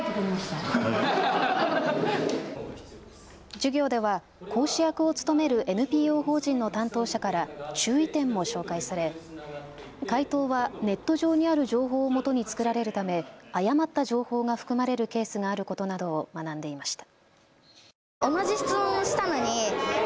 授業では講師役を務めるＮＰＯ法人の担当者から注意点も紹介され回答はネット上にある情報をもとに作られるため誤った情報が含まれるケースがあることなどを学んでいました。